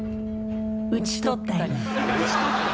討ち取ったり］